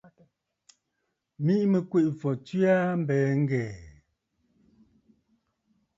Miʼi mɨ Kweʼefɔ̀ tswe aa a mbɛ̀ɛ̀ ŋ̀gɛ̀ɛ̀.